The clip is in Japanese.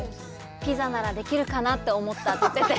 ピザならできるかなと思ったって言ってて。